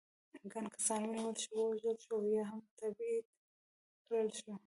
ګڼ کسان ونیول شول، ووژل شول او یا هم تبعید کړل شول.